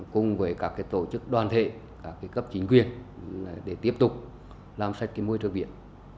cùng với các tổ chức đoàn thể các cấp chính quyền để tiếp tục làm sạch môi trường biển